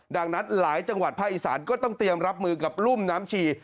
ดังนั้นหลายจังหวัดภาคอีสานก็ต้องเตรียมรับมือกับรุ่มน้ำชี